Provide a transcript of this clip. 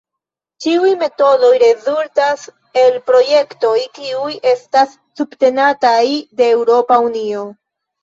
Ĉiuj metodoj rezultas el projektoj kiuj estas subtenataj de Eŭropa Unio.